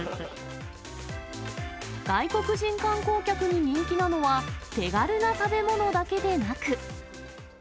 外国人観光客に人気なのは手軽な食べ物だけでなく。